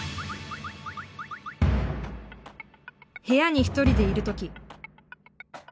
部屋に一人でいる時。